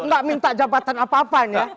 nggak minta jabatan apa apa ini ya